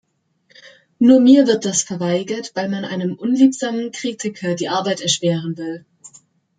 Nur mir wird das verweigert, weil man einem unliebsamen Kritiker die Arbeit erschweren will.